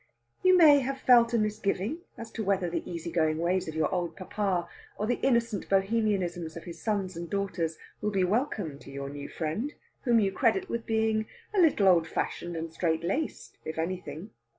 You may have felt a misgiving as to whether the easy going ways of your old papa, or the innocent Bohemianisms of his sons and daughters will be welcome to your new friend, whom you credit with being a little old fashioned and strait laced, if anything.